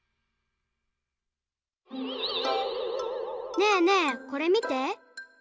ねえねえこれみて。